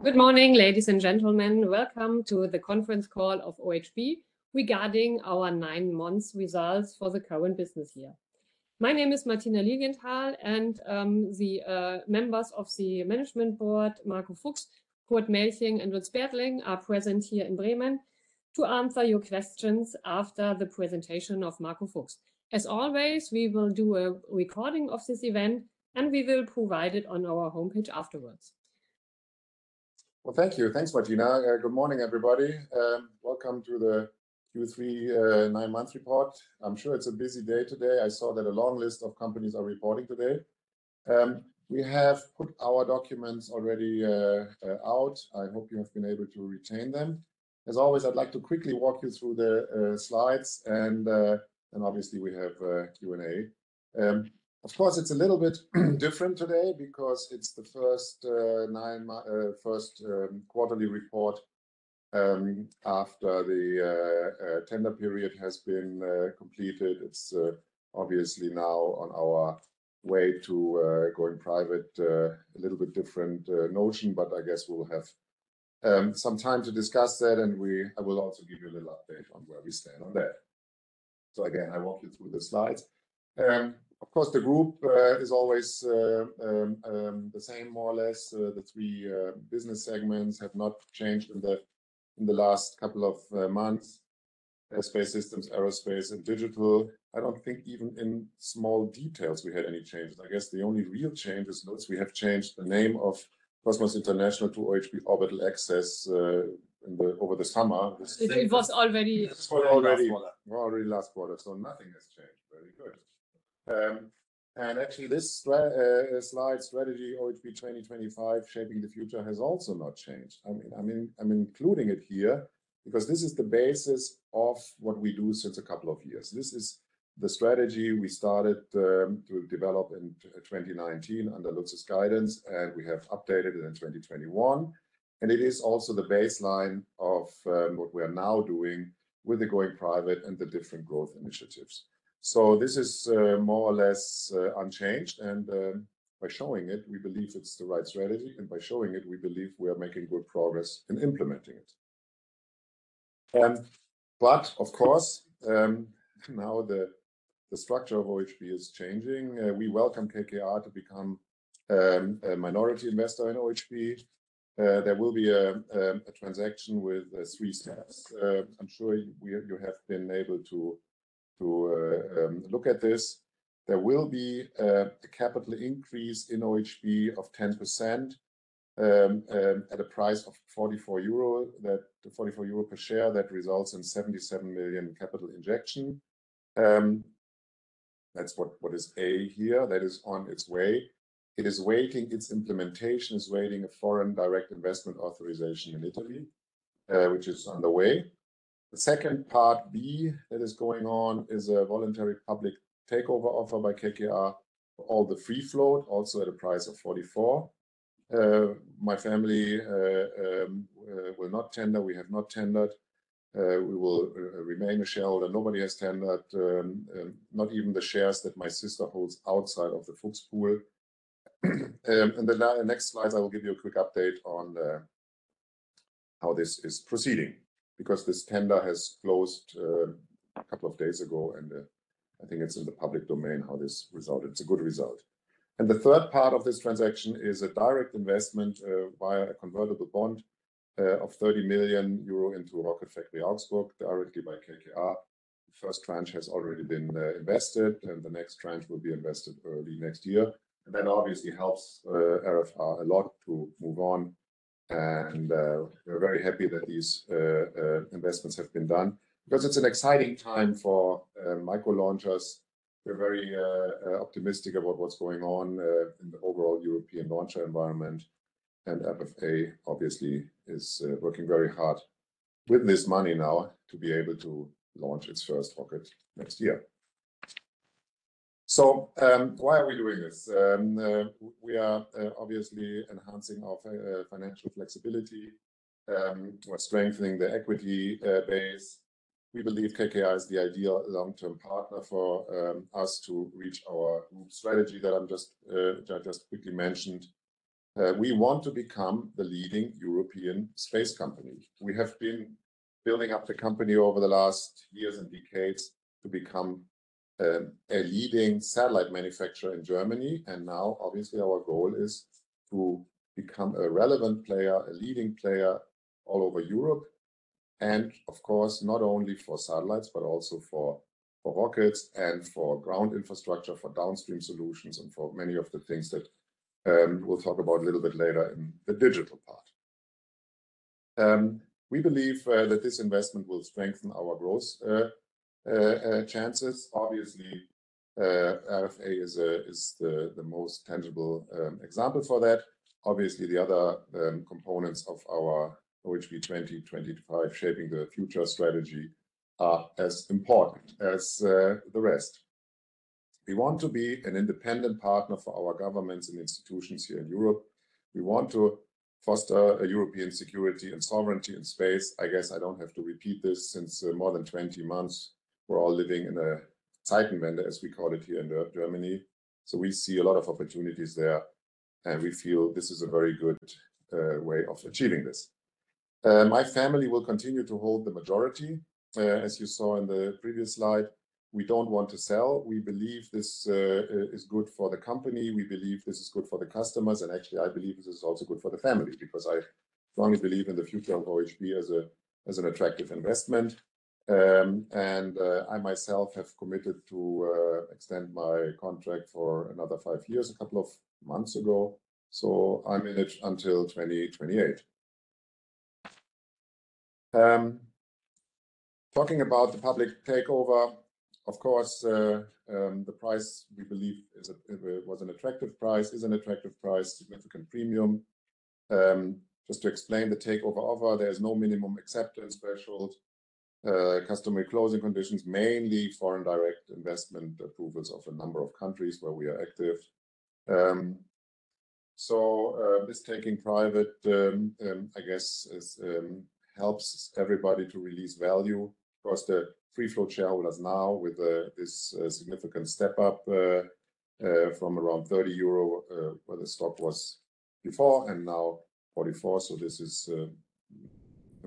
Good morning, ladies and gentlemen. Welcome to the conference call of OHB regarding our nine months results for the current business year. My name is Martina Lilienthal, and the members of the management board, Marco Fuchs, Kurt Melching, and Lutz Bertling, are present here in Bremen to answer your questions after the presentation of Marco Fuchs. As always, we will do a recording of this event, and we will provide it on our homepage afterwards. Well, thank you. Thanks, Martina. Good morning, everybody, welcome to the Q3 nine-month report. I'm sure it's a busy day today. I saw that a long list of companies are reporting today. We have put our documents already out. I hope you have been able to retain them. As always, I'd like to quickly walk you through the slides, and obviously, we have a Q&A. Of course, it's a little bit different today because it's the first quarterly report after the tender period has been completed. It's obviously now on our way to going private, a little bit different notion, but I guess we'll have some time to discuss that, and I will also give you a little update on where we stand on that. So again, I walk you through the slides. Of course, the group is always the same, more or less. The three business segments have not changed in the last couple of months: Space Systems, Aerospace, and Digital. I don't think even in small details we had any changes. I guess the only real change is no, it's. We have changed the name of Cosmos International to OHB Orbital Access over the summer. It was already- It was already- Last quarter. Already last quarter, so nothing has changed. Very good. And actually, this slide, Strategy OHB2025: Shaping the Future, has also not changed. I mean, I'm including it here because this is the basis of what we do since a couple of years. This is the strategy we started to develop in 2019 under Lutz's guidance, and we have updated it in 2021, and it is also the baseline of what we are now doing with the going private and the different growth initiatives. So this is more or less unchanged, and by showing it, we believe it's the right strategy, and by showing it, we believe we are making good progress in implementing it. But of course, now the structure of OHB is changing. We welcome KKR to become a minority investor in OHB. There will be a transaction with three steps. I'm sure you have been able to look at this. There will be a capital increase in OHB of 10%, at a price of 44 euro per share, that results in 77 million capital injection. That's what is A here, that is on its way. It is waiting, its implementation is waiting a foreign direct investment authorization in Italy, which is on the way. The second part, B, that is going on is a voluntary public takeover offer by KKR, all the free float, also at a price of 44. My family will not tender. We have not tendered. We will remain a shareholder. Nobody has tendered, not even the shares that my sister holds outside of the Fuchs pool. And then now the next slide, I will give you a quick update on the, how this is proceeding, because this tender has closed, a couple of days ago, and, I think it's in the public domain how this resulted. It's a good result. The third part of this transaction is a direct investment, via a convertible bond, of 30 million euro into Rocket Factory Augsburg, directly by KKR. First tranche has already been, invested, and the next tranche will be invested early next year. That obviously helps, RFA a lot to move on, and, we're very happy that these, investments have been done because it's an exciting time for, micro launchers. We're very optimistic about what's going on in the overall European launcher environment, and RFA, obviously, is working very hard with this money now to be able to launch its first rocket next year. So, why are we doing this? We are obviously enhancing our financial flexibility, we're strengthening the equity base. We believe KKR is the ideal long-term partner for us to reach our strategy that I just quickly mentioned. We want to become the leading European space company. We have been building up the company over the last years and decades to become a leading satellite manufacturer in Germany, and now, obviously, our goal is to become a relevant player, a leading player all over Europe, and of course, not only for satellites, but also for rockets and for ground infrastructure, for downstream solutions, and for many of the things that we'll talk about a little bit later in the digital part. We believe that this investment will strengthen our growth chances. Obviously, RFA is the most tangible example for that. Obviously, the other components of our OHB 2025: Shaping the Future strategy are as important as the rest. We want to be an independent partner for our governments and institutions here in Europe. We want to foster a European security and sovereignty in space. I guess I don't have to repeat this since, more than 20 months, we're all living in Zeitenwende, as we call it here in Germany. So we see a lot of opportunities there, and we feel this is a very good way of achieving this. My family will continue to hold the majority, as you saw in the previous slide. We don't want to sell. We believe this is good for the company, we believe this is good for the customers, and actually, I believe this is also good for the family, because I strongly believe in the future of OHB as an attractive investment. I myself have committed to extend my contract for another five years, a couple of months ago, so I'm in it until 2028. Talking about the public takeover, of course, the price we believe was an attractive price, is an attractive price, significant premium. Just to explain the takeover offer, there is no minimum acceptance threshold. Customary closing conditions, mainly foreign direct investment approvals of a number of countries where we are active. So, this taking private, I guess, helps everybody to release value. Of course, the free float shareholders now with this significant step-up from around 30 euro, where the stock was before, and now 44. So this is the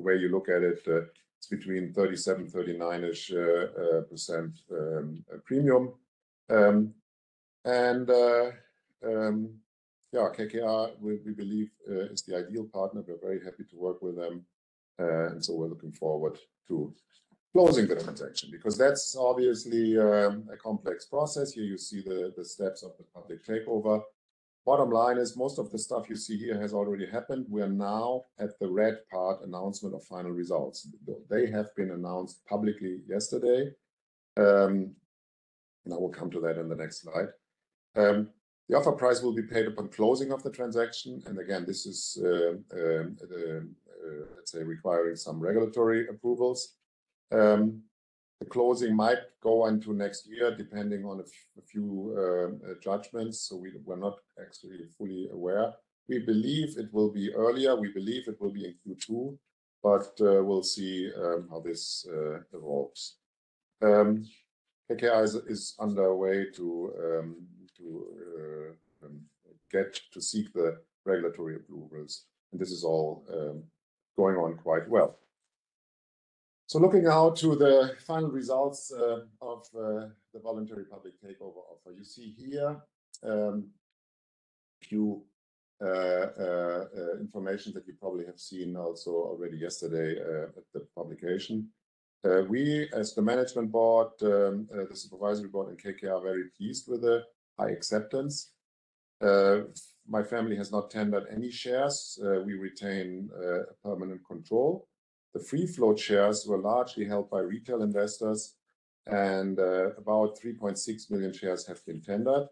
way you look at it, it's between 37% and 39% ish premium. Yeah, KKR we believe is the ideal partner. We're very happy to work with them, and so we're looking forward to closing the transaction, because that's obviously a complex process. Here you see the steps of the public takeover. Bottom line is, most of the stuff you see here has already happened. We are now at the red part, announcement of final results. They have been announced publicly yesterday, and I will come to that in the next slide. The offer price will be paid upon closing of the transaction, and again, this is, let's say, requiring some regulatory approvals. The closing might go into next year, depending on a few judgments, so we're not actually fully aware. We believe it will be earlier, we believe it will be in Q2, but we'll see how this evolves. KKR is underway to get to seek the regulatory approvals, and this is all going on quite well. So looking now to the final results of the voluntary public takeover offer. You see here a few information that you probably have seen also already yesterday at the publication. We, as the management board, the supervisory board and KKR, are very pleased with the high acceptance. My family has not tendered any shares. We retain permanent control. The free float shares were largely held by retail investors, and about 3.6 million shares have been tendered.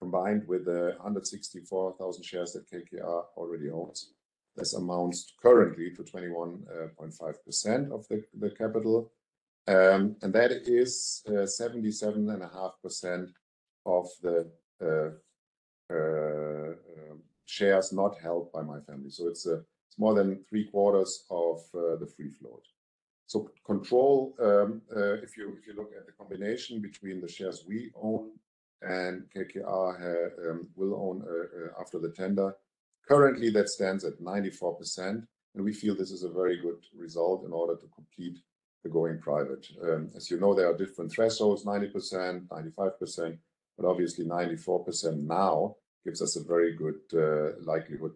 Combined with the 164,000 shares that KKR already owns, this amounts currently to 21.5% of the capital, and that is shares not held by my family. So it's more than three quarters of the free float. So control, if you, if you look at the combination between the shares we own and KKR will own after the tender, currently that stands at 94%, and we feel this is a very good result in order to complete the going private. As you know, there are different thresholds, 90% and 95%, but obviously 94% now gives us a very good likelihood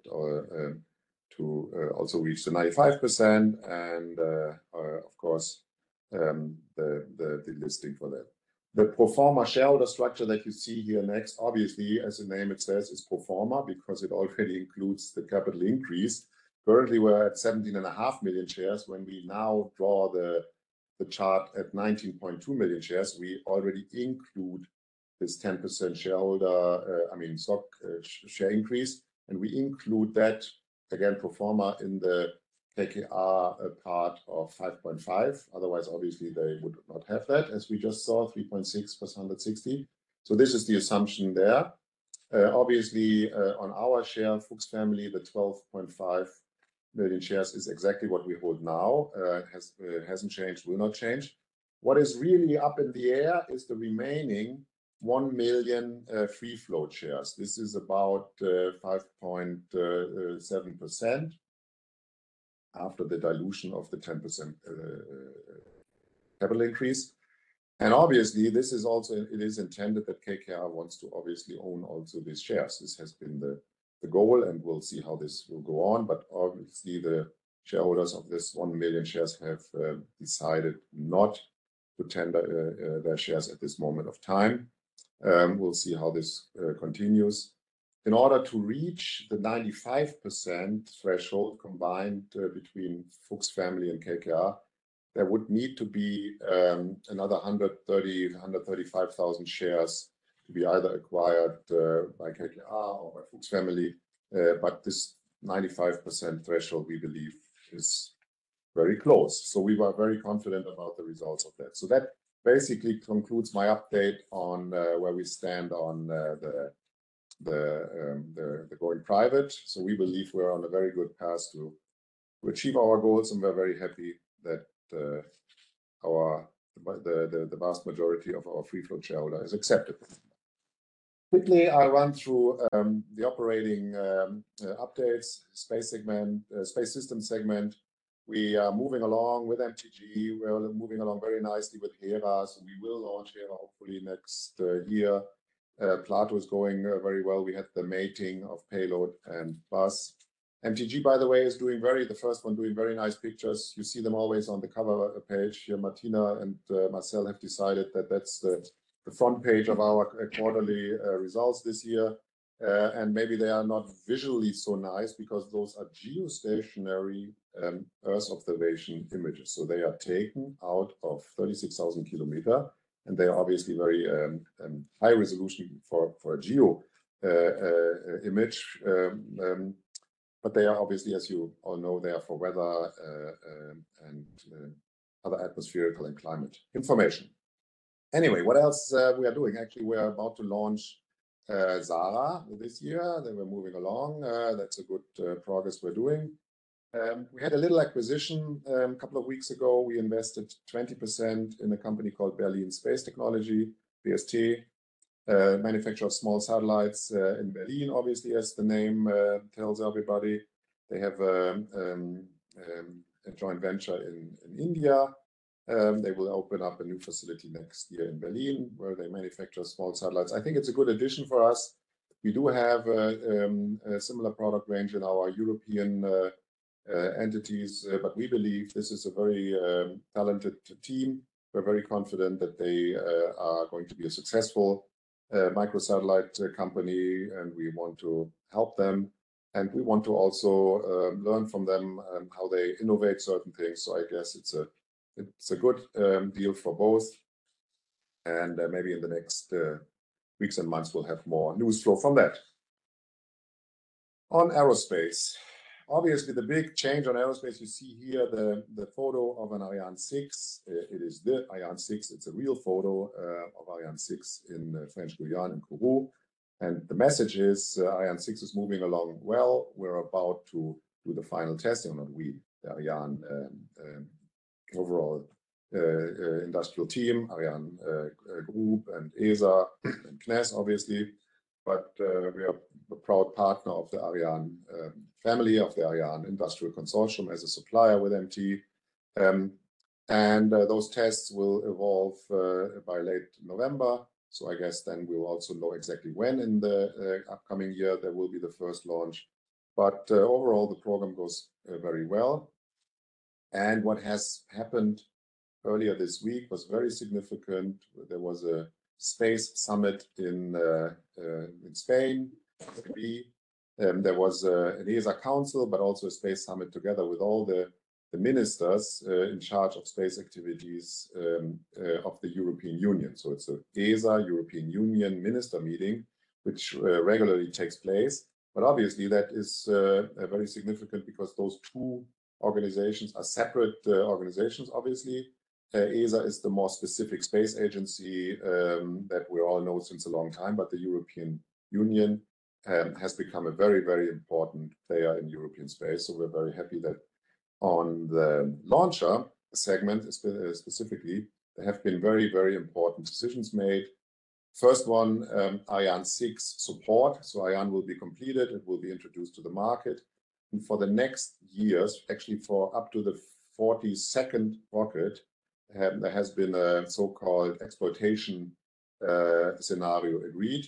to also reach the 95% and of course the listing for that. The pro forma shareholder structure that you see here next, obviously, as the name it says, is pro forma because it already includes the capital increase. Currently, we're at 17.5 million shares. When we now draw the chart at 19.2 million shares, we already include this 10% shareholder, I mean, stock share increase, and we include that, again, pro forma, in the KKR part of 5.5. Otherwise, obviously, they would not have that, as we just saw, 3.6 plus 160. So this is the assumption there. Obviously, on our share, Fuchs family, the 12.5 million shares is exactly what we hold now. It hasn't changed, will not change. What is really up in the air is the remaining 1 million free float shares. This is about 5.7% after the dilution of the 10% capital increase. And obviously, this is also... It is intended that KKR wants to obviously own also these shares. This has been the goal, and we'll see how this will go on, but obviously, the shareholders of this 1 million shares have decided not to tender their shares at this moment of time. We'll see how this continues. In order to reach the 95% threshold combined between Fuchs family and KKR, there would need to be another 135,000 shares to be either acquired by KKR or by Fuchs family. But this 95% threshold, we believe, is very close. So we were very confident about the results of that. So that basically concludes my update on where we stand on the going private. So we believe we're on a very good path to achieve our goals, and we're very happy that the vast majority of our free float shareholder has accepted. Quickly, I'll run through the operating updates, space segment, space system segment. We are moving along with MTG. We are moving along very nicely with Hera, so we will launch Hera hopefully next year. PLATO is going very well. We had the mating of payload and bus. MTG, by the way, is doing very, the first one, doing very nice pictures. You see them always on the cover page. Here, Martina and Marcel have decided that that's the front page of our quarterly results this year. And maybe they are not visually so nice because those are geostationary Earth observation images, so they are taken out of 36,000 kilometers, and they are obviously very high resolution for a geo image. But they are obviously, as you all know, they are for weather and other atmospheric and climate information. Anyway, what else we are doing? Actually, we are about to launch SARah this year. Then we're moving along. That's a good progress we're doing. We had a little acquisition a couple of weeks ago. We invested 20% in a company called Berlin Space Technologies, BST, a manufacturer of small satellites in Berlin, obviously, as the name tells everybody. They have a joint venture in India. They will open up a new facility next year in Berlin, where they manufacture small satellites. I think it's a good addition for us. We do have a similar product range in our European entities, but we believe this is a very talented team. We're very confident that they are going to be a successful micro satellite company, and we want to help them, and we want to also learn from them on how they innovate certain things. So I guess it's a good deal for both, and maybe in the next weeks and months, we'll have more news flow from that. On aerospace, obviously, the big change on aerospace, you see here the photo of an Ariane 6. It is the Ariane 6. It's a real photo of Ariane in French Guiana in Kourou. And the message is, Ariane 6 is moving along well. We're about to do the final testing, not we, the Ariane overall industrial team, ArianeGroup, and ESA, and CNES, obviously. But we are a proud partner of the Ariane family, of the Ariane Industrial Consortium as a supplier with MT. And those tests will evolve by late November, so I guess then we will also know exactly when in the upcoming year there will be the first launch. But overall, the program goes very well. And what has happened earlier this week was very significant. There was a space summit in Spain, Seville, there was an ESA Council, but also a space summit together with all the ministers in charge of space activities of the European Union. So it's a ESA European Union minister meeting, which regularly takes place. But obviously, that is very significant because those two organizations are separate organizations, obviously. ESA is the more specific space agency that we all know since a long time, but the European Union has become a very, very important player in European space. So we're very happy that on the launcher segment, specifically, there have been very, very important decisions made. First one, Ariane 6 support. So Ariane will be completed, it will be introduced to the market. And for the next years, actually, for up to the 42nd rocket, there has been a so called exploitation scenario agreed.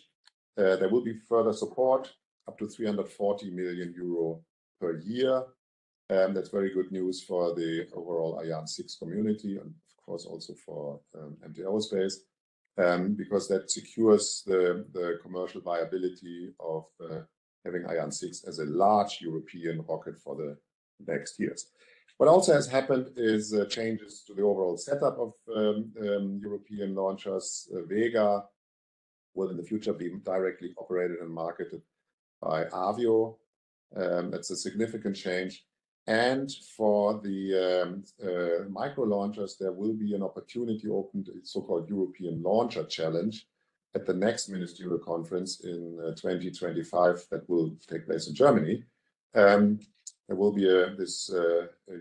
There will be further support, up to 340 million euro per year. That's very good news for the overall Ariane 6 community and, of course, also for MT Aerospace, because that secures the commercial viability of having Ariane 6 as a large European rocket for the next years. What also has happened is changes to the overall setup of European launchers. Vega will in the future be directly operated and marketed by Avio, that's a significant change. And for the micro launchers, there will be an opportunity opened, a so-called European Launcher Challenge, at the next Ministerial Conference in 2025, that will take place in Germany. There will be a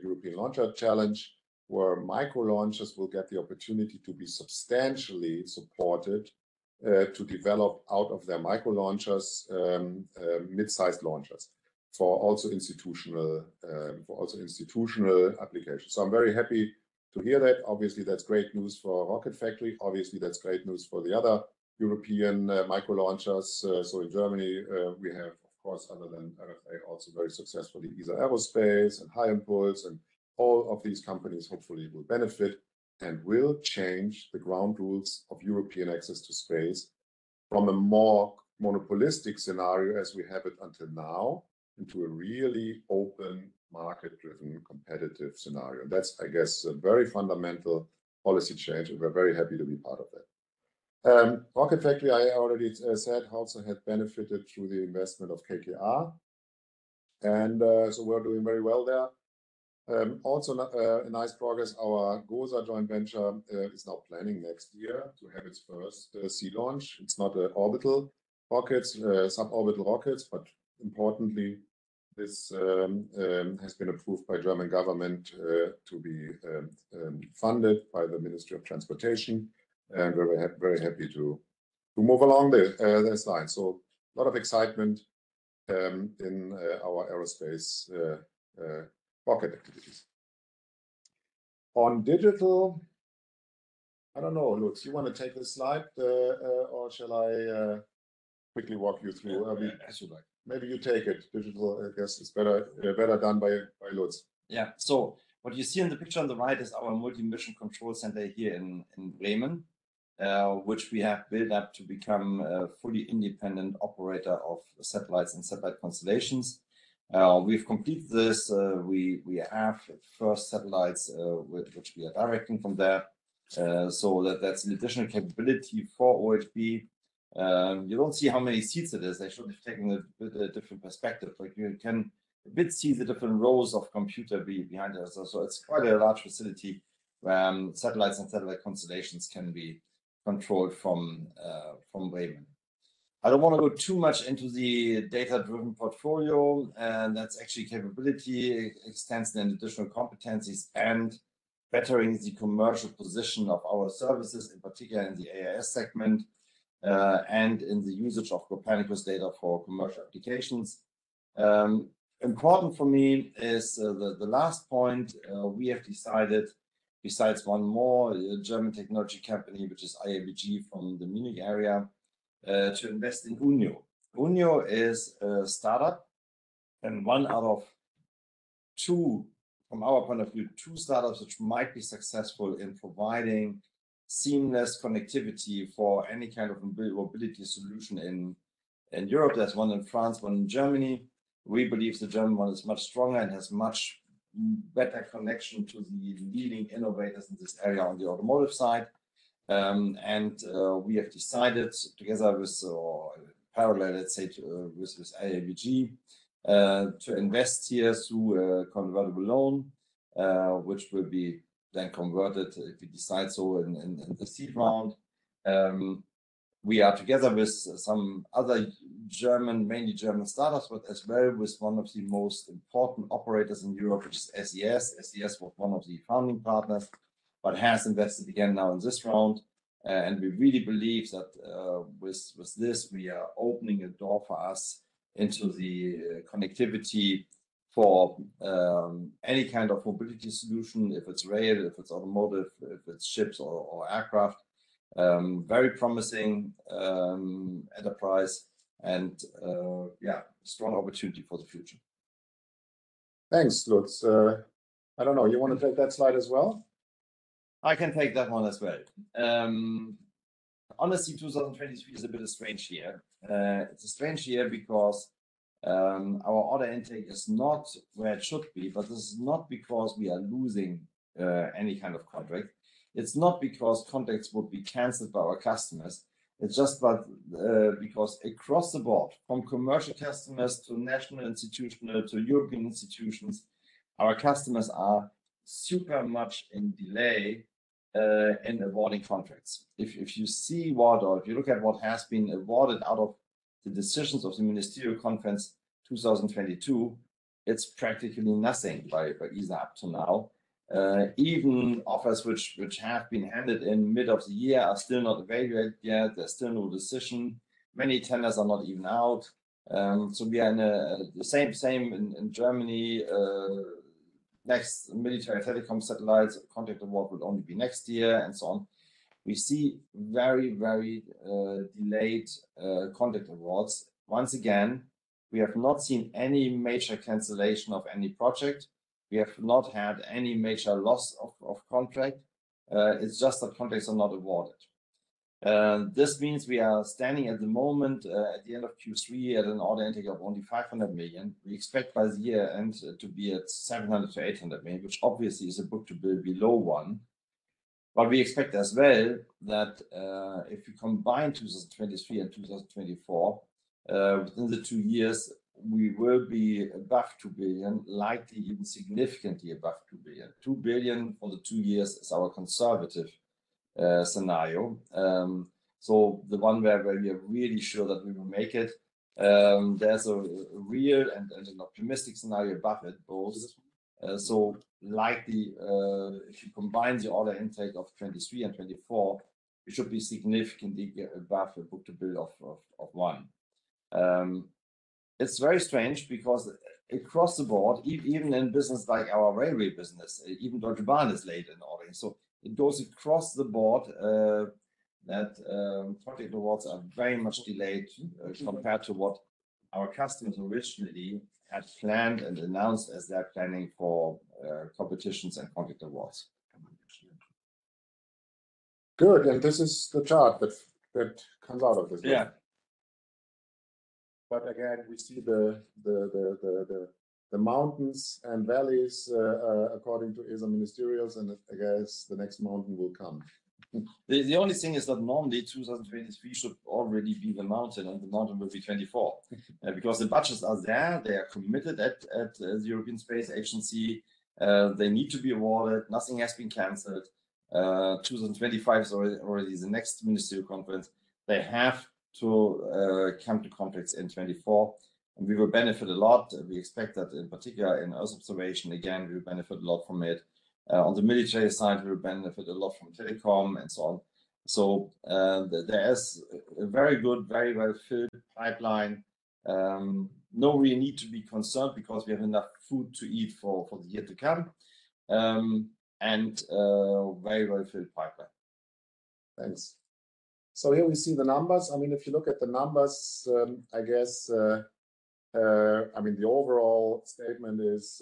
European Launcher Challenge, where micro launchers will get the opportunity to be substantially supported to develop out of their micro launchers mid-sized launchers, for also institutional applications. So I'm very happy to hear that. Obviously, that's great news for Rocket Factory. Obviously, that's great news for the other European micro launchers. So in Germany, we have, of course, other than RFA, also very successfully, Isar Aerospace and HyImpulse, and all of these companies hopefully will benefit and will change the ground rules of European access to space from a more monopolistic scenario, as we have it until now, into a really open, market-driven, competitive scenario. That's, I guess, a very fundamental policy change, and we're very happy to be part of that. Rocket Factory, I already said, also have benefited through the investment of KKR, and so we're doing very well there. Also, a nice progress, our GOSA joint venture, is now planning next year to have its first sea launch. It's not orbital rockets, suborbital rockets, but importantly, this has been approved by German government to be funded by the Ministry of Transportation, and we're very happy to move along this line. So a lot of excitement in our aerospace rocket activities. On digital, I don't know, Lutz, you want to take this slide or shall I quickly walk you through? Yeah, yeah. As you like. Maybe you take it. Digital, I guess, is better, better done by, by Lutz. Yeah. So what you see in the picture on the right is our multi-mission control center here in Bremen, which we have built up to become a fully independent operator of satellites and satellite constellations. We've completed this, we have first satellites with which we are directing from there, so that's an additional capability for OHB. You don't see how many seats it is. I should have taken it with a different perspective. Like, you can a bit see the different rows of computer behind us. So it's quite a large facility, satellites and satellite constellations can be controlled from Bremen. I don't want to go too much into the data-driven portfolio, and that's actually capability, extending additional competencies, and bettering the commercial position of our services, in particular in the AIS segment, and in the usage of Copernicus data for commercial applications. Important for me is the last point. We have decided, besides one more German technology company, which is IABG from the Munich area, to invest in UNIO. UNIO is a startup and one out of two, from our point of view, two startups, which might be successful in providing seamless connectivity for any kind of mobility solution in Europe. There's one in France, one in Germany. We believe the German one is much stronger and has much better connection to the leading innovators in this area on the automotive side. And we have decided, together with, or parallel, let's say, to, with, with IABG, to invest here through a convertible loan, which will be then converted if we decide so in, in, in the seed round. We are together with some other German, mainly German startups, but as well with one of the most important operators in Europe, which is SES. SES was one of the founding partners, but has invested again now in this round. And we really believe that, with, with this, we are opening a door for us into the, connectivity for, any kind of mobility solution, if it's rail, if it's automotive, if it's ships or, or aircraft. Very promising, enterprise and, yeah, strong opportunity for the future. Thanks, Lutz. I don't know, you want to take that slide as well? I can take that one as well. Honestly, 2023 is a bit of strange year. It's a strange year because our order intake is not where it should be, but this is not because we are losing any kind of contract. It's not because contracts will be canceled by our customers. It's just that because across the board, from commercial customers to national institutional to European institutions, our customers are super much in delay in awarding contracts. If you see what or if you look at what has been awarded out of the decisions of the Ministerial Conference 2022, it's practically nothing by ESA up to now. Even offers which have been handed in mid of the year are still not evaluated yet, there's still no decision. Many tenders are not even out. So we are in the same in Germany. Next military and telecom satellites, contract award would only be next year, and so on. We see very, very delayed contract awards. Once again, we have not seen any major cancellation of any project. We have not had any major loss of contract. It's just that contracts are not awarded. This means we are standing at the moment at the end of Q3, at an order intake of only 500 million. We expect by the year-end to be at 700 million-800 million, which obviously is a book to bill below one. But we expect as well that if you combine 2023 and 2024, within the two years, we will be back to billion, likely even significantly above 2 billion. 2 billion for the two years is our conservative scenario. So the one where we are really sure that we will make it, there's a real and an optimistic scenario above it both. So likely, if you combine the order intake of 2023 and 2024, it should be significantly above a Book to bill of one. It's very strange because across the board, even in business like our railway business, even Deutsche Bahn is late in ordering. So it goes across the board, that project awards are very much delayed compared to what our customers originally had planned and announced as their planning for competitions and project awards. Good, and this is the chart that comes out of this. Yeah. But again, we see the mountains and valleys according to ESA ministerials, and I guess the next mountain will come. The only thing is that normally 2023 should already be the mountain, and the mountain will be 2024. Because the budgets are there, they are committed at the European Space Agency, they need to be awarded. Nothing has been canceled. 2025 is already the next Ministerial Conference. They have to come to conference in 2024, and we will benefit a lot. We expect that, in particular in Earth observation, again, we benefit a lot from it. On the military side, we benefit a lot from telecom and so on. So, there is a very good, very well-filled pipeline. No, we need to be concerned because we have enough food to eat for the year to come, and very well-filled pipeline. Thanks. So here we see the numbers. I mean, if you look at the numbers, I guess, I mean, the overall statement is,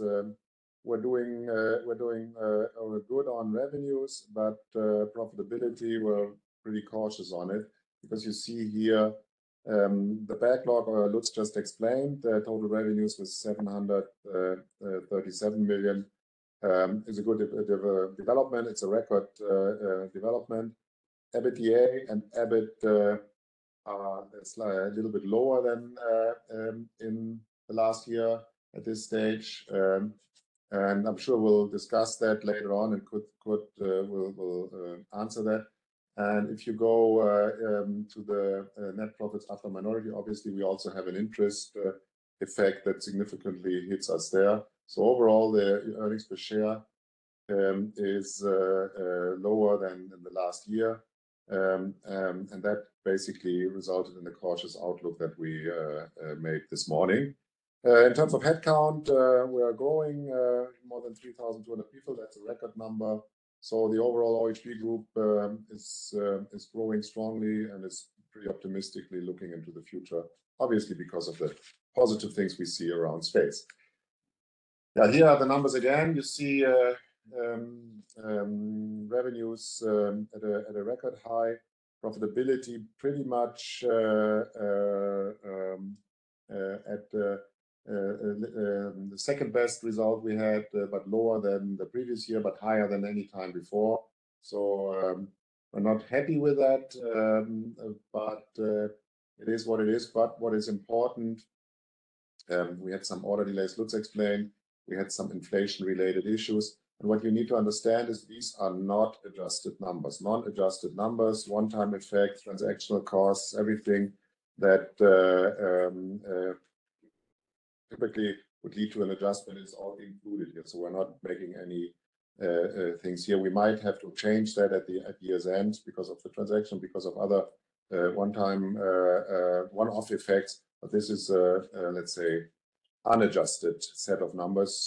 we're doing, we're doing good on revenues, but profitability, we're pretty cautious on it. Because you see here, the backlog, Lutz just explained, the total revenues was 737 million. It's a good development, it's a record development. EBITDA and EBIT are a little bit lower than in the last year at this stage. And I'm sure we'll discuss that later on, and Kurt will answer that. And if you go to the net profits after minority, obviously, we also have an interest effect that significantly hits us there. So overall, the earnings per share is lower than in the last year. And that basically resulted in the cautious outlook that we made this morning. In terms of headcount, we are growing more than 3,200 people. That's a record number. So the overall OHB Group is growing strongly and is pretty optimistically looking into the future, obviously, because of the positive things we see around space. Now, here are the numbers again. You see, revenues at a record high. Profitability, pretty much, at the second-best result we had, but lower than the previous year, but higher than any time before. So, we're not happy with that, but it is what it is. But what is important, we had some order delays, Lutz explained. We had some inflation-related issues, and what you need to understand is these are not adjusted numbers. Non-adjusted numbers, one-time effects, transactional costs, everything that typically would lead to an adjustment is all included here. So we're not making any things here. We might have to change that at year's end because of the transaction, because of other one-time one-off effects, but this is a let's say unadjusted set of numbers.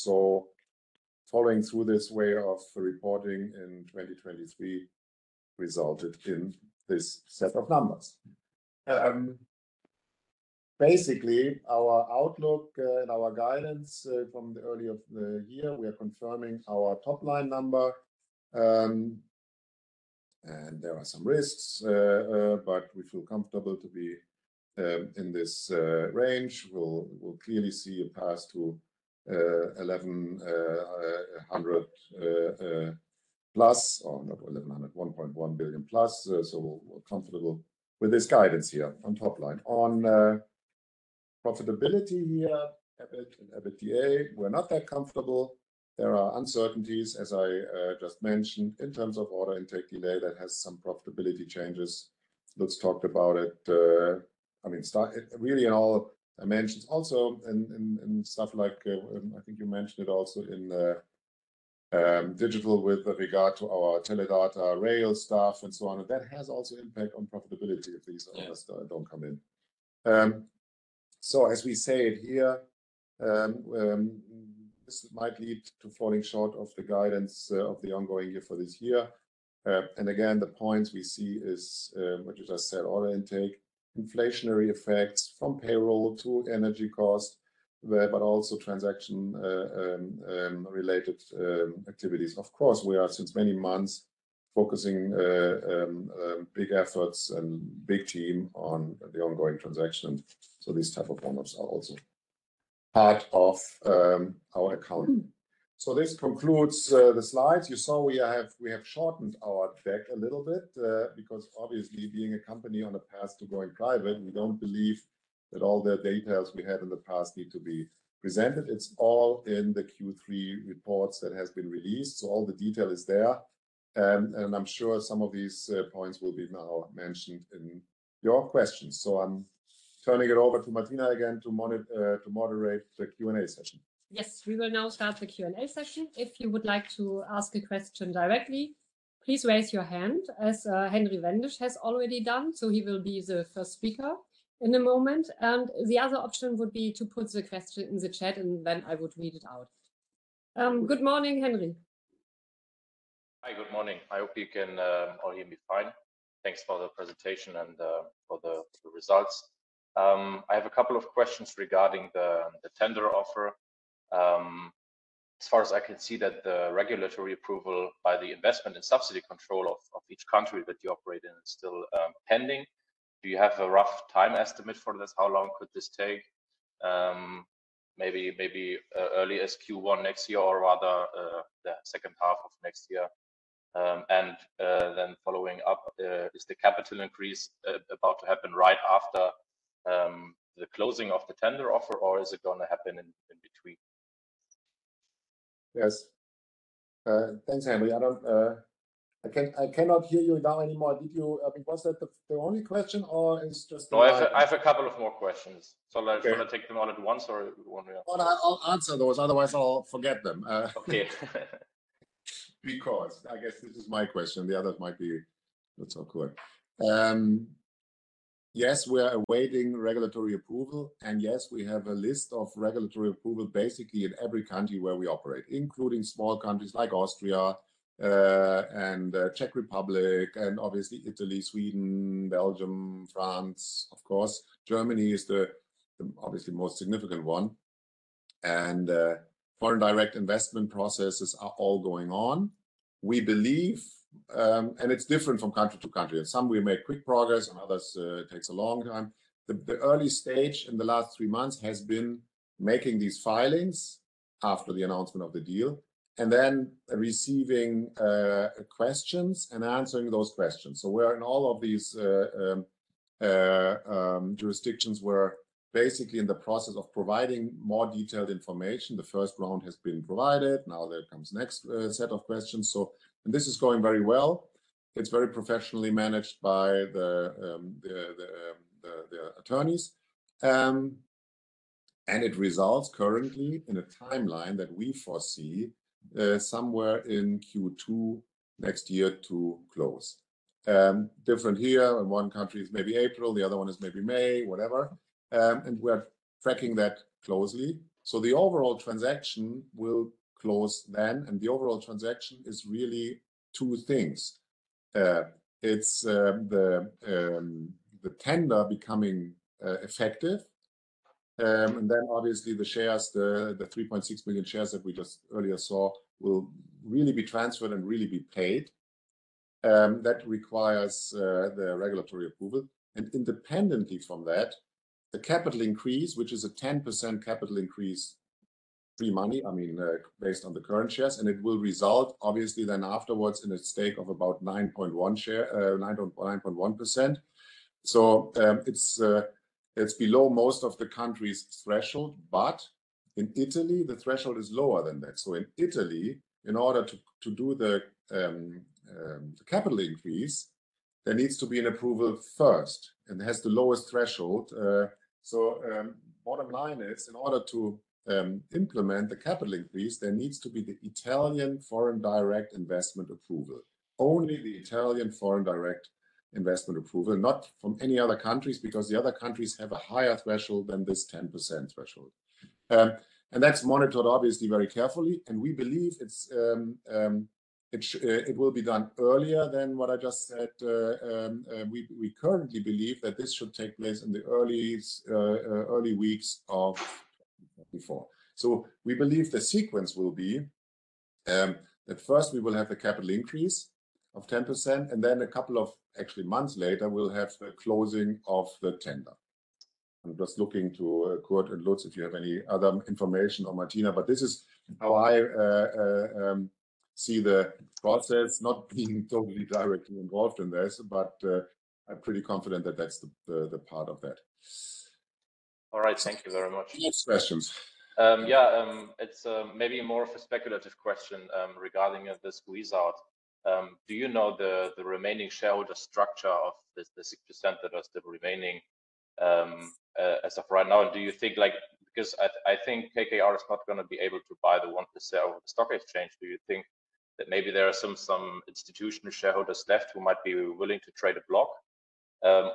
So following through this way of reporting in 2023 resulted in this set of numbers. Basically, our outlook and our guidance from the early of the year, we are confirming our top-line number. And there are some risks, but we feel comfortable to be in this range. We'll clearly see a path to 1,100 plus, or not 1,100, 1.1 billion plus. So we're comfortable with this guidance here on top line. On profitability here, EBIT and EBITDA, we're not that comfortable. There are uncertainties, as I just mentioned, in terms of order intake delay that has some profitability changes. Lutz talked about it, I mean, really in all dimensions. Also, in stuff like, I think you mentioned it also in the digital with regard to our Teledata rail stuff and so on, that has also impact on profitability if these orders Yeah... don't come in. So as we said here, this might lead to falling short of the guidance of the ongoing year for this year. And again, the points we see is what you just said, order intake, inflationary effects from payroll to energy costs, but also transaction related activities. Of course, we are, since many months, focusing big efforts and big team on the ongoing transaction, so these type of onwards are also part of our accounting. So this concludes the slides. You saw we have shortened our deck a little bit, because obviously, being a company on the path to going private, we don't believe that all the details we had in the past need to be presented. It's all in the Q3 reports that has been released, so all the detail is there. And I'm sure some of these points will be now mentioned in your questions. So I'm turning it over to Martina again to moderate the Q&A session. Yes, we will now start the Q&A session. If you would like to ask a question directly, please raise your hand, as Henry Wendisch has already done, so he will be the first speaker in a moment. And the other option would be to put the question in the chat, and then I would read it out. Good morning, Henry. Hi, good morning. I hope you can all hear me fine. Thanks for the presentation and for the results. I have a couple of questions regarding the tender offer. ... As far as I can see that the regulatory approval by the investment and subsidy control of each country that you operate in is still pending. Do you have a rough time estimate for this? How long could this take? Maybe, maybe early as Q1 next year, or rather the second half of next year. And then following up, is the capital increase about to happen right after the closing of the tender offer, or is it going to happen in between? Yes. Thanks, Henry. I don't, I cannot hear you now anymore. Did you, was that the only question, or it's just the- No, I have a couple of more questions. Okay. Do you want to take them all at once or one after the other? Well, I'll, I'll answer those, otherwise I'll forget them. Okay. Because I guess this is my question, the others might be... That's okay. Yes, we are awaiting regulatory approval, and yes, we have a list of regulatory approval basically in every country where we operate, including small countries like Austria, and Czech Republic, and obviously Italy, Sweden, Belgium, France, of course. Germany is the obviously most significant one. And foreign direct investment processes are all going on. We believe... And it's different from country to country. In some, we make quick progress, in others, it takes a long time. The early stage in the last three months has been making these filings after the announcement of the deal, and then receiving questions and answering those questions. So we're in all of these jurisdictions, we're basically in the process of providing more detailed information. The first round has been provided, now there comes the next set of questions. And this is going very well. It's very professionally managed by the attorneys. And it results currently in a timeline that we foresee somewhere in Q2 next year to close. Different here, in one country it's maybe April, the other one is maybe May, whatever. And we're tracking that closely. So the overall transaction will close then, and the overall transaction is really two things. It's the tender becoming effective, and then obviously the shares, the 3.6 million shares that we just earlier saw, will really be transferred and really be paid. That requires the regulatory approval. And independently from that, the capital increase, which is a 10% capital increase, free money, I mean, based on the current shares, and it will result obviously then afterwards in a stake of about 9.1 share, 9.1%. So, it's below most of the countries' threshold, but in Italy, the threshold is lower than that. So in Italy, in order to do the capital increase, there needs to be an approval first, and it has the lowest threshold. So, bottom line is, in order to implement the capital increase, there needs to be the Italian foreign direct investment approval. Only the Italian foreign direct investment approval, not from any other countries, because the other countries have a higher threshold than this 10% threshold. And that's monitored, obviously, very carefully, and we believe it will be done earlier than what I just said. We currently believe that this should take place in the early weeks of before. So we believe the sequence will be, at first we will have a capital increase of 10%, and then a couple of actually months later, we'll have the closing of the tender. I'm just looking to Kurt and Lutz, if you have any other information, or Martina, but this is how I see the process, not being totally directly involved in this, but I'm pretty confident that that's the part of it. All right. Thank you very much. Any questions? Yeah, it's maybe more of a speculative question regarding the squeeze out. Do you know the remaining shareholder structure of this, the 6% that are still remaining as of right now? And do you think, like... Because I think KKR is not going to be able to buy the 1% over the stock exchange. Do you think that maybe there are some institutional shareholders left who might be willing to trade a block?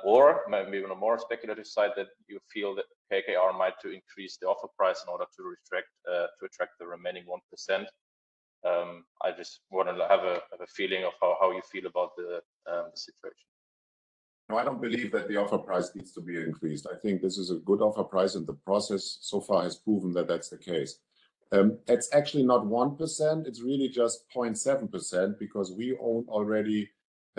Or maybe on a more speculative side, that you feel that KKR might to increase the offer price in order to attract the remaining 1%. I just want to have a feeling of how you feel about the situation. No, I don't believe that the offer price needs to be increased. I think this is a good offer price, and the process so far has proven that that's the case. It's actually not 1%, it's really just 0.7%, because we own already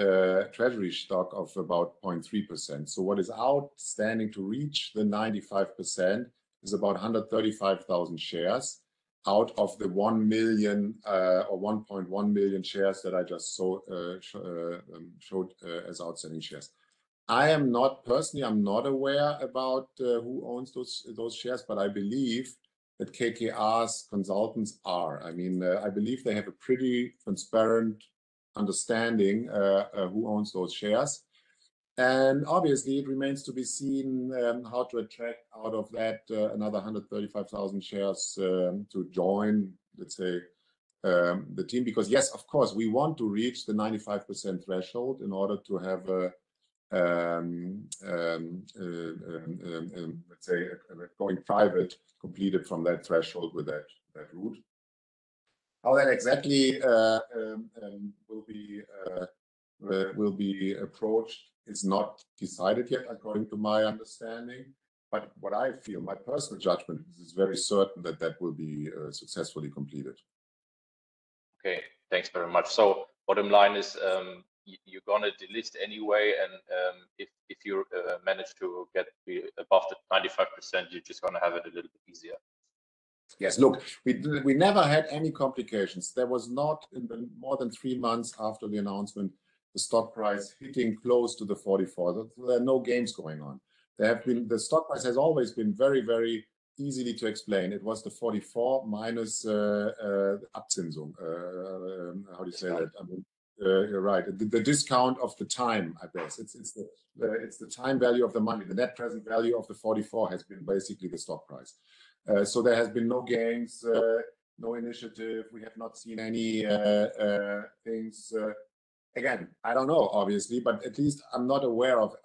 treasury stock of about 0.3%. So what is outstanding to reach the 95% is about 135,000 shares out of the 1 million, or 1.1 million shares that I just saw, showed, as outstanding shares. I am not, personally, I'm not aware about who owns those, those shares, but I believe that KKR's consultants are. I mean, I believe they have a pretty transparent understanding who owns those shares. Obviously, it remains to be seen how to attract out of that another 135,000 shares to join, let's say, the team. Because, yes, of course, we want to reach the 95% threshold in order to have a, let's say, a going private completed from that threshold with that, that route. How that exactly will be approached is not decided yet, according to my understanding. But what I feel, my personal judgment is, is very certain that that will be successfully completed. Okay, thanks very much. So bottom line is, you, you're gonna delist anyway, and if you manage to get above the 95%, you're just gonna have it a little bit easier? Yes. Look, we, we never had any complications. There was not in the more than three months after the announcement, the stock price hitting close to 44. There are no games going on. There have been the stock price has always been very, very easily to explain. It was 44 minus the upsiding. How do you say that. You're right. The discount of the time, I guess. It's the time value of the money. The net present value of the 44 has been basically the stock price. So there has been no games, no initiative. We have not seen any things. Again, I don't know, obviously, but at least I'm not aware of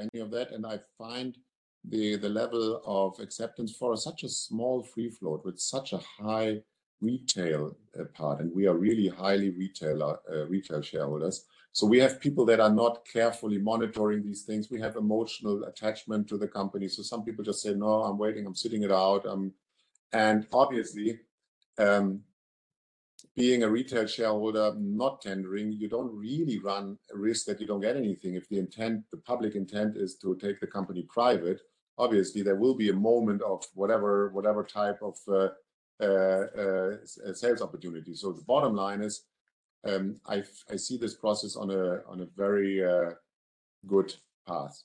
any of that, and I find the level of acceptance for such a small free float with such a high retail part, and we are really highly retailer, retail shareholders. So we have people that are not carefully monitoring these things. We have emotional attachment to the company, so some people just say, "No, I'm waiting, I'm sitting it out." And obviously, being a retail shareholder, not tendering, you don't really run a risk that you don't get anything. If the intent, the public intent is to take the company private, obviously, there will be a moment of whatever type of sales opportunity. So the bottom line is, I see this process on a very good path.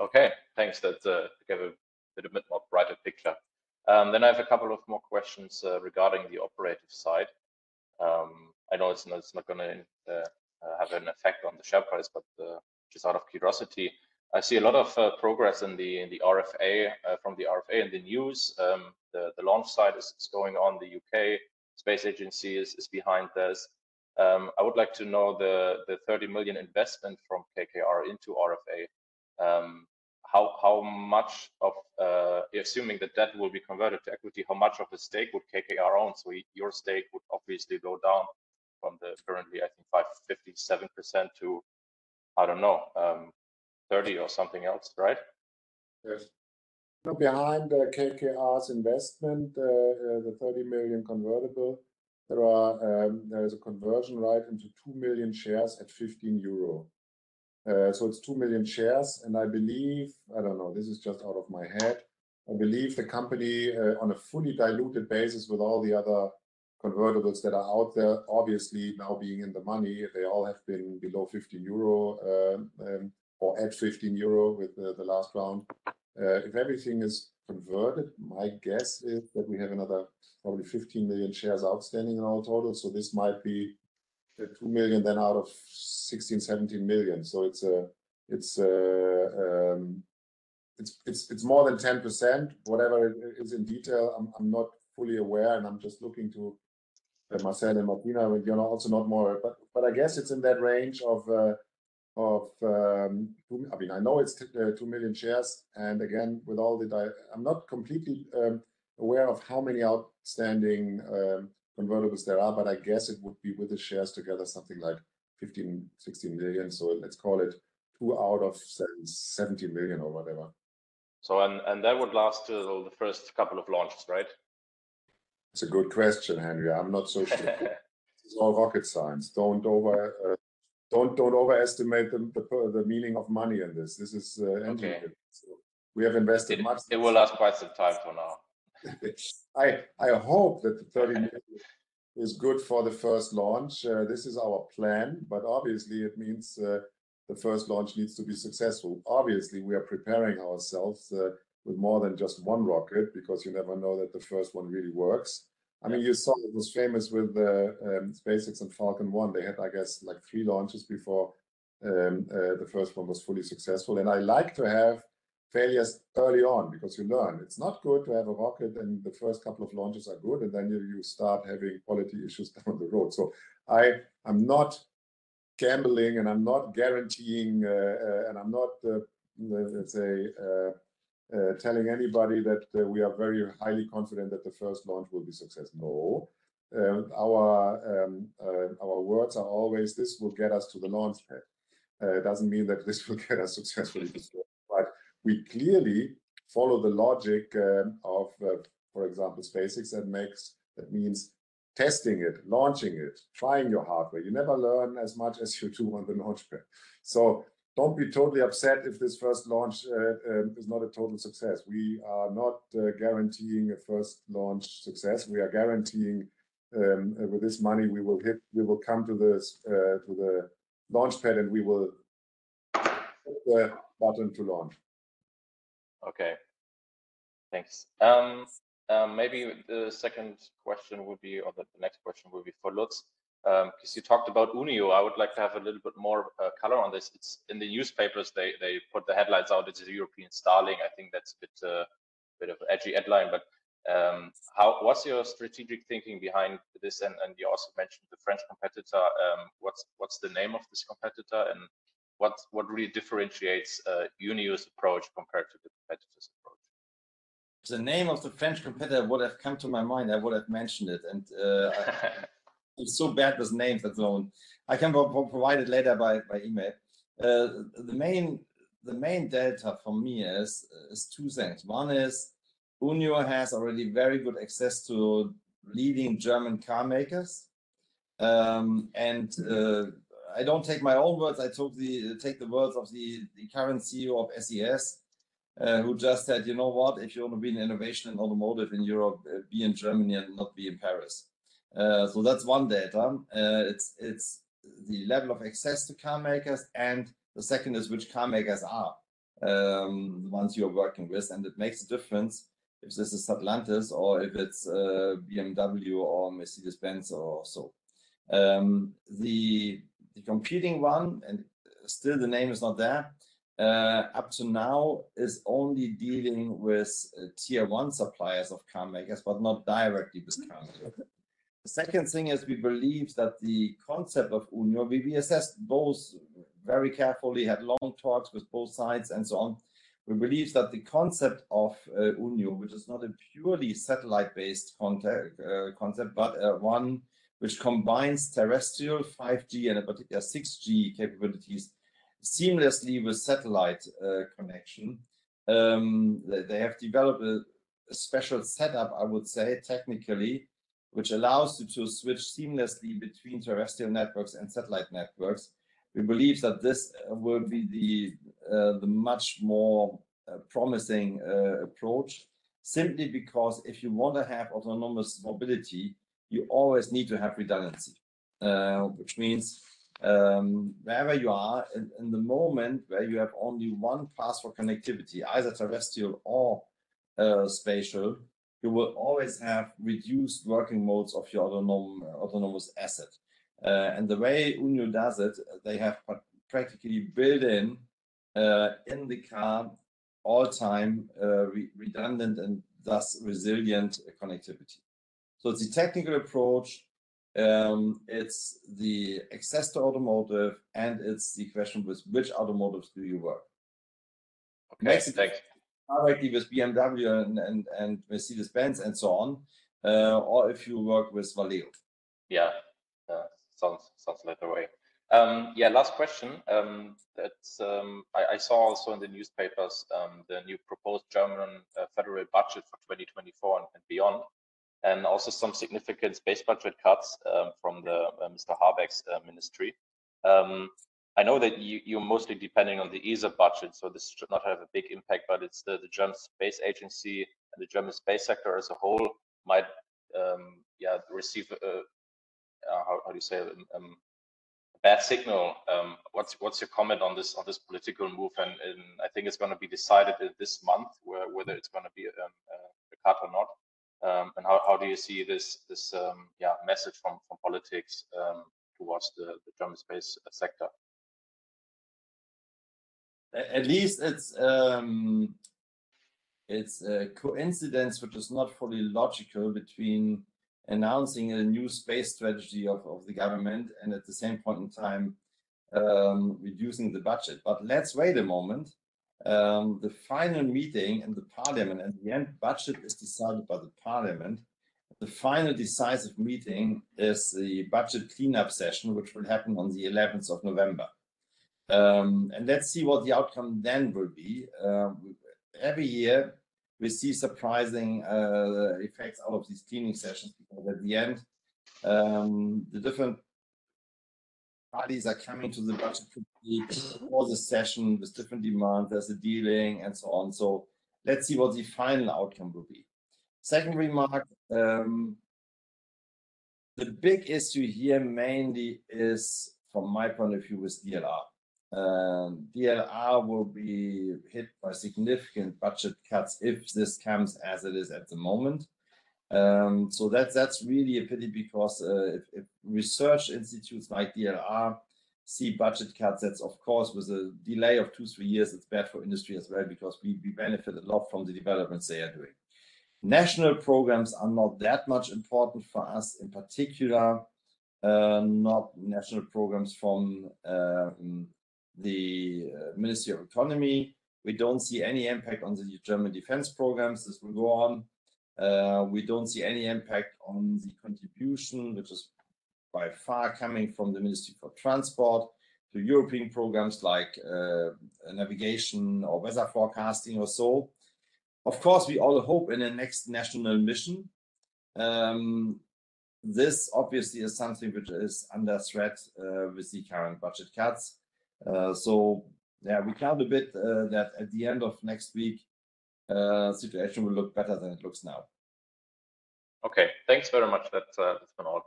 Okay, thanks. That gave a little bit more brighter picture. Then I have a couple of more questions regarding the operative side. I know it's not, it's not gonna have an effect on the share price, but just out of curiosity, I see a lot of progress in the RFA from the RFA in the news. The launch side is going on, the UK Space Agency is behind this. I would like to know the 30 million investment from KKR into RFA, how much of assuming the debt will be converted to equity, how much of a stake would KKR own? So your stake would obviously go down from the current, I think, 55.7% to, I don't know, 30 or something else, right? Yes. So behind the KKR's investment, the 30 million convertible, there are, there is a conversion right into 2 million shares at 15 euro. So it's 2 million shares, and I believe, I don't know, this is just out of my head. I believe the company, on a fully diluted basis with all the other convertibles that are out there, obviously now being in the money, they all have been below 15 euro, or at 15 euro with the, the last round. If everything is converted, my guess is that we have another probably 15 million shares outstanding in all total, so this might be, 2 million, then out of 16, 17 million. So it's more than 10%, whatever it is in detail. I'm not fully aware, and I'm just looking to Marcel and Martina, but they also know more. But I guess it's in that range of, I mean, I know it's 2 million shares, and again, I'm not completely aware of how many outstanding convertibles there are, but I guess it would be with the shares together, something like 15-16 million. So let's call it 2 out of 70 million or whatever. So, that would last till the first couple of launches, right? It's a good question, Henry. I'm not so sure. It's not rocket science. Don't overestimate the meaning of money in this. This is, Okay... engineering. We have invested much- It will last quite some time for now. I hope that the 30 million is good for the first launch. This is our plan, but obviously, it means the first launch needs to be successful. Obviously, we are preparing ourselves with more than just one rocket, because you never know that the first one really works. I mean, you saw it was famous with the SpaceX and Falcon 1. They had, I guess, like, three launches before the first one was fully successful. I like to have failures early on because you learn. It's not good to have a rocket, and the first couple of launches are good, and then you start having quality issues down the road. So I'm not gambling, and I'm not guaranteeing, and I'm not, let's say, telling anybody that we are very highly confident that the first launch will be successful. No. Our words are always, "This will get us to the launch pad." It doesn't mean that this will get us successfully to success, but we clearly follow the logic of, for example, SpaceX. That means testing it, launching it, trying your hardware. You never learn as much as you do on the launch pad. So don't be totally upset if this first launch is not a total success. We are not guaranteeing a first launch success. We are guaranteeing with this money, we will come to this to the launch pad, and we will button to launch. Okay, thanks. Maybe the second question would be, or the next question will be for Lutz. 'Cause you talked about UNIO, I would like to have a little bit more color on this. It's in the newspapers, they put the headlines out, it's a European Starlink. I think that's a bit of edgy headline, but what's your strategic thinking behind this? And you also mentioned the French competitor. What's the name of this competitor, and what really differentiates UNIO's approach compared to the competitor's approach? If the name of the French competitor would have come to my mind, I would have mentioned it, and I'm so bad with names and so on. I can provide it later by email. The main delta for me is two things. One is, UNIO has already very good access to leading German car makers. And I don't take my own words, I take the words of the current CEO of SES, who just said, "You know what? If you want to be in innovation and automotive in Europe, be in Germany and not be in Paris." So that's one delta. It's the level of access to car makers, and the second is which car makers are the ones you're working with. It makes a difference if this is Stellantis or if it's, BMW or Mercedes-Benz or so. The competing one, and still the name is not there up to now, is only dealing with tier one suppliers of car makers, but not directly with car makers. The second thing is we believe that the concept of UNIO; we assessed both very carefully, had long talks with both sides and so on. We believe that the concept of UNIO, which is not a purely satellite-based connectivity concept, but one which combines terrestrial 5G and 6G capabilities seamlessly with satellite connection. They have developed a special setup, I would say, technically, which allows you to switch seamlessly between terrestrial networks and satellite networks. We believe that this will be the much more promising approach, simply because if you want to have autonomous mobility, you always need to have redundancy. Which means, wherever you are, in the moment where you have only one path for connectivity, either terrestrial or spatial, you will always have reduced working modes of your autonomous asset. And the way UNIO does it, they have practically built in the car all the time, redundant and thus resilient connectivity. So it's the technical approach, it's the access to automotive, and it's the question with which automotives do you work? Okay. Makes it, like, directly with BMW and Mercedes-Benz and so on, or if you work with Valeo. Yeah. Sounds like the way. Yeah, last question, that's, I saw also in the newspapers, the new proposed German federal budget for 2024 and beyond, and also some significant space budget cuts, from Mr. Habeck's ministry. I know that you're mostly depending on the ESA budget, so this should not have a big impact, but it's the German Space Agency and the German space sector as a whole might receive a bad signal. What's your comment on this political move? And I think it's gonna be decided this month, whether it's gonna be a cut or not. How do you see this message from politics towards the German space sector? At least it's, it's a coincidence, which is not fully logical, between announcing a new space strategy of, of the government and, at the same point in time, reducing the budget. But let's wait a moment. The final meeting in the parliament, at the end, budget is decided by the parliament. The final decisive meeting is the budget clean-up session, which will happen on the eleventh of November. And let's see what the outcome then will be. Every year we see surprising effects out of these cleaning sessions, because at the end, the different parties are coming to the budget committee for the session with different demands, there's a dealing, and so on. So let's see what the final outcome will be. Second remark, the big issue here mainly is, from my point of view, is DLR. DLR will be hit by significant budget cuts if this comes as it is at the moment. So that's really a pity, because if research institutes like DLR see budget cuts, that's of course, with a delay of 2-3 years, it's bad for industry as well, because we benefit a lot from the developments they are doing. National programs are not that much important for us, in particular, not national programs from the Ministry of Economy. We don't see any impact on the German defense programs; this will go on. We don't see any impact on the contribution, which is by far coming from the Ministry of Transport to European programs like navigation or weather forecasting or so. Of course, we all hope in a next national mission. This obviously is something which is under threat with the current budget cuts. So, yeah, we count a bit that at the end of next week, situation will look better than it looks now. Okay, thanks very much. That's, that's been all.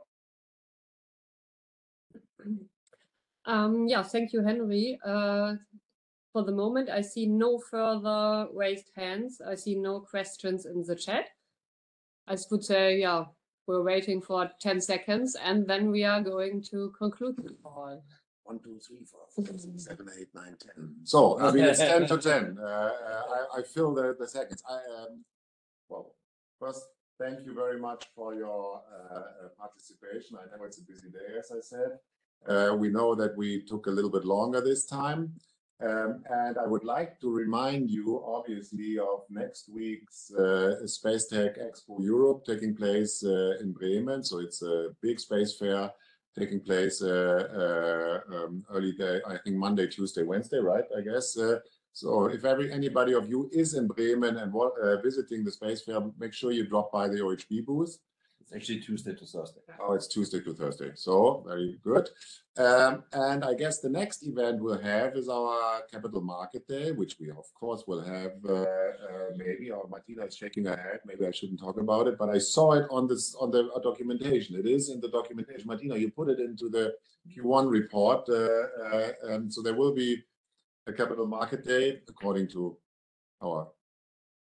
Yeah, thank you, Henry. For the moment, I see no further raised hands, I see no questions in the chat. I would say, yeah, we're waiting for 10 seconds, and then we are going to conclude the call. 1, 2, 3, 4, 5, 6, 7, 8, 9, 10. So, I mean, it's 10 to 10. I fill the seconds. Well, first, thank you very much for your participation. I know it's a busy day, as I said. We know that we took a little bit longer this time. And I would like to remind you, obviously, of next week's Space Tech Expo Europe, taking place in Bremen. So it's a big space fair taking place early day, I think Monday, Tuesday, Wednesday, right? I guess. So if anybody of you is in Bremen and visiting the Space Fair, make sure you drop by the OHB booth. It's actually Tuesday to Thursday. Oh, it's Tuesday to Thursday. So very good. And I guess the next event we'll have is our capital market day, which we of course will have, maybe, or Martina is shaking her head, maybe I shouldn't talk about it, but I saw it on the documentation. It is in the documentation. Martina, you put it into the Q1 report. And so there will be a capital market day according to our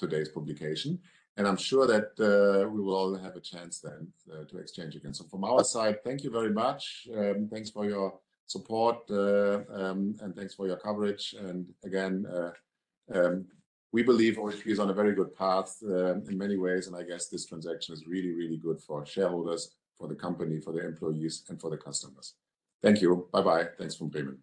today's publication, and I'm sure that, we will all have a chance then, to exchange again. So from our side, thank you very much. Thanks for your support, and thanks for your coverage. And again, we believe OHB is on a very good path, in many ways, and I guess this transaction is really, really good for our shareholders, for the company, for the employees, and for the customers. Thank you. Bye-bye. Thanks from Bremen.